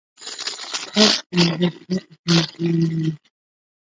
ستاسو په نظر چاته ښه ماشومان ویلای شو؟